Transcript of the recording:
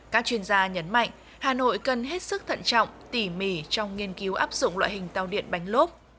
các chuyên gia nhấn mạnh hà nội cần hết sức thận trọng tỉ mỉ trong nghiên cứu áp dụng loại hình tàu điện bánh lốp